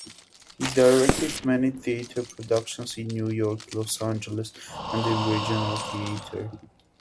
He directed many theatre productions in New York, Los Angeles and in regional theater.